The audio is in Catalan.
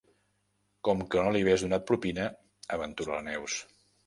Com que no li havies donat propina —aventura la Neus.